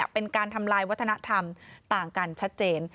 เป็นการทำลายวัฒนธรรมต่างกันชัดเจน